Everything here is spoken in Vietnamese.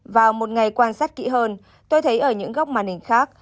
vào một ngày quan sát kỹ hơn tôi thấy ở những góc màn hình khác